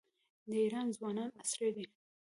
د ایران ځوانان عصري دي.